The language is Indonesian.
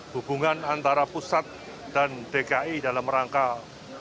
hubungan antara pusat dan dki dalam rangka